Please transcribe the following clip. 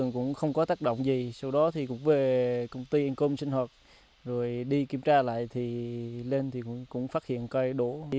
còn khoảng ba trăm linh cây hương hàng trăm năm tuổi còn soát lại trên diện tích tám hectare